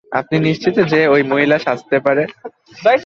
আপনি নিশ্চিত যে ও, এই মহিলা সাজতে পারবে?